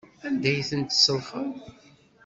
Anda ay tent-tselxeḍ?